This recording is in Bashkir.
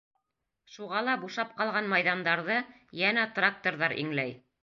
Шуға ла бушап ҡалған майҙандарҙы йәнә тракторҙар иңләй.